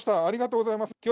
ありがとうございます。